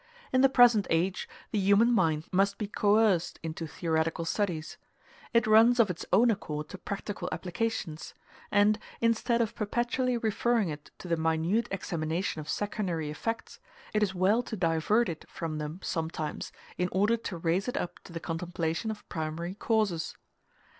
In the present age the human mind must be coerced into theoretical studies; it runs of its own accord to practical applications; and, instead of perpetually referring it to the minute examination of secondary effects, it is well to divert it from them sometimes, in order to raise it up to the contemplation of primary causes.